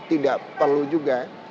tidak perlu juga